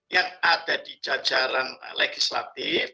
yang ada di jajaran legislatif